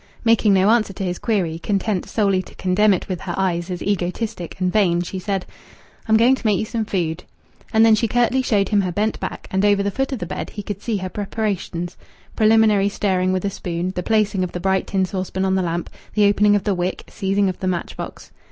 Making no answer to his query, content solely to condemn it with her eyes as egotistic and vain, she said "I'm going to make you some food." And then she curtly showed him her bent back, and over the foot of the bed he could see her preparations preliminary stirring with a spoon, the placing of the bright tin saucepan on the lamp, the opening of the wick, seizing of the match box.